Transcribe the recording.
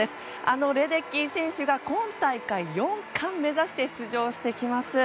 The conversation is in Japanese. あのレデッキー選手が今大会４冠を目指して出場してきます。